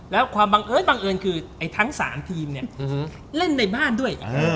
แล้วความบังเอิญบังเอิญคือไอ้ทั้ง๓ทีมเนี่ยเล่นในบ้านด้วย